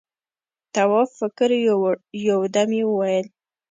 تواب فکر يووړ، يو دم يې وويل: